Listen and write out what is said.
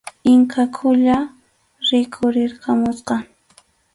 Inka Qulla rikhurirqamusqa.